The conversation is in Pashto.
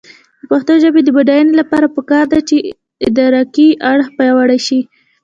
د پښتو ژبې د بډاینې لپاره پکار ده چې ادراکي اړخ پیاوړی شي.